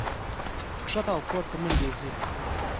ښکته او پورته منډې وهي